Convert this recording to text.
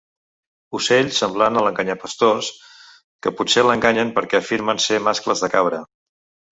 Ocells semblants a l'enganyapastors que potser l'enganyen perquè afirmen ser mascles de cabra.